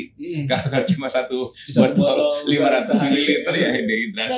kalau cuma satu botol lima ratus ml ya dehidrasi